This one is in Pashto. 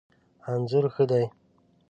انځور ښه دی